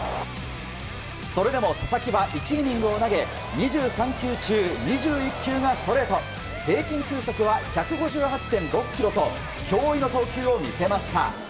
それでも佐々木は１イニングを投げ２３球中２１球がストレート平均球速は１５８．６キロと驚異の投球を見せました。